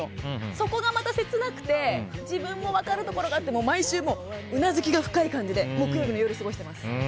そこがまた切なくて自分も分かるところがあって毎週うなずきが深い感じで木曜日の夜を過ごしています。